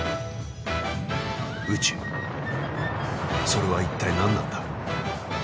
それは一体何なんだ？